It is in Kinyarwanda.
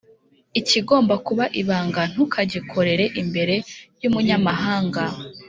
Ikigomba kuba ibanga ntukagikorere imbere y’umunyamahanga,